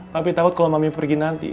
tapi takut kalau mami pergi nanti